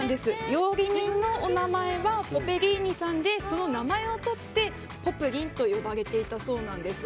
料理人のお名前はポペリーニさんでその名前をとってポプリンと呼ばれていたそうなんです。